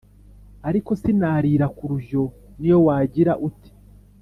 Ariko sinarira ku rujyo n’iyo wagira ute